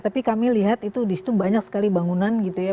tapi kami lihat itu di situ banyak sekali bangunan gitu ya